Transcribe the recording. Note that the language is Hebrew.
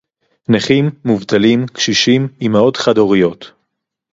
נכים, מובטלים, קשישים, אמהות חד-הוריות